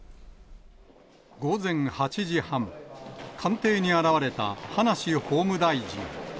午前８時半、官邸に現れた葉梨法務大臣。